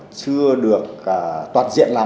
chưa được toàn diện làm